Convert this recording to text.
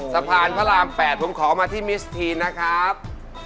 ตำแหน่งที่๔ครับ